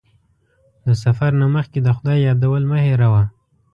د سفر نه مخکې د خدای یادول مه هېروه.